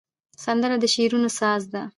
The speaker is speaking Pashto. سندره د شعرونو ساز ده